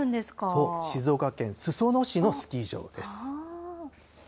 そう、静岡県裾野市のスキー場です。